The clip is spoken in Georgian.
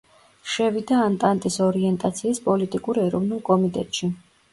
შევიდა ანტანტის ორიენტაციის პოლიტიკურ ეროვნულ კომიტეტში.